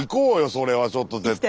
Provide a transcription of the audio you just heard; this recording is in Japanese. それはちょっと絶対。